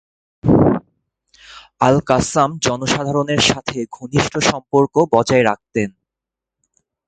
Al-Qassam জনসাধারণের সাথে ঘনিষ্ঠ সম্পর্ক বজায় রাখতেন।